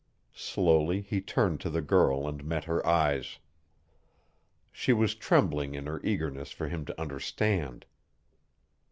Slowly he turned to the girl and met her eyes. She was trembling in her eagerness for him to understand.